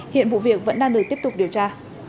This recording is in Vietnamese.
hiện vụ việc vẫn đang được tiếp tục điều tra